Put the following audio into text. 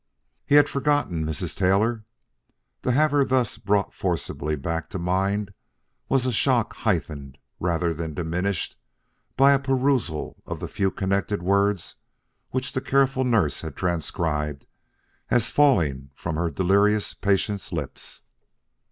He had forgotten Mrs. Taylor. To have her thus brought forcibly back to mind was a shock heightened, rather than diminished, by a perusal of the few connected words which the careful nurse had transcribed as falling from her delirious patient's lips.